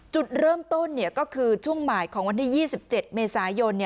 จุดเริ่มต้นเนี่ยก็คือช่วงหมายของวันที่ยี่สิบเจ็ดเมษายน